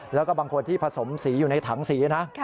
แล้วก็บางคนที่ผสมสีอยู่ในถังสีนะ